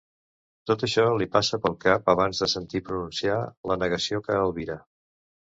Tot això li passa pel cap abans de sentir pronunciar la negació que albira.